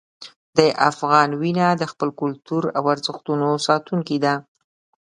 د افغان وینه د خپل کلتور او ارزښتونو ساتونکې ده.